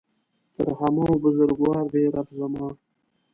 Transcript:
تر همه ؤ بزرګوار دی رب زما